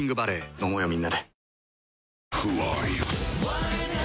飲もうよみんなで。